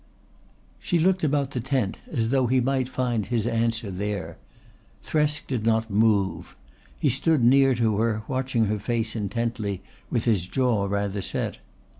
She looked about the tent as though he might find his answer there. Thresk did not move. He stood near to her, watching her face intently with his jaw rather set.